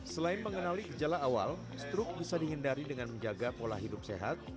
selain mengenali gejala awal stroke bisa dihindari dengan menjaga pola hidup sehat